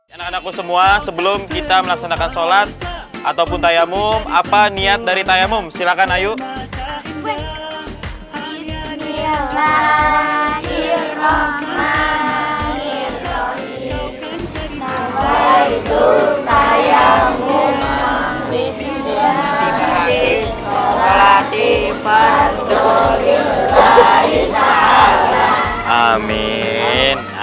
anak anakku semua sebelum kita melaksanakan sholat ataupun tayammum apa niat dari tayammum silakan